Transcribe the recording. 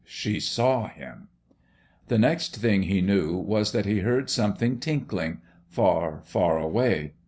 She saw him. The next thing he knew was that he heard something tinkling ... far, far away.